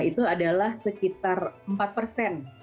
itu adalah sekitar empat persen